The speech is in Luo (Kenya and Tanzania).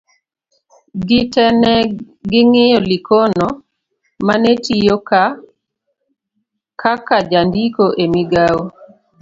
gite ne ging'iyo Likono mane tiyo ka ka jandiko e migawo